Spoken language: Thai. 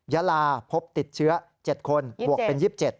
ยาลาพบติดเชื้อ๗คนบวกเป็น๒๗